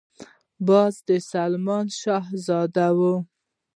باز د آسمان شهزاده دی